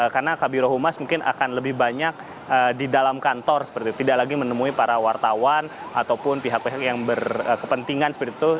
karena kabiro humas mungkin akan lebih banyak di dalam kantor tidak lagi menemui para wartawan ataupun pihak pihak yang berkepentingan